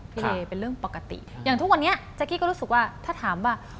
เลเป็นเรื่องปกติอย่างทุกวันนี้แจ๊กกี้ก็รู้สึกว่าถ้าถามว่า